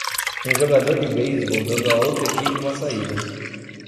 Um jogador de beisebol dando a outra equipe uma saída.